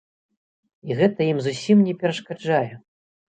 І гэта ім зусім не перашкаджае!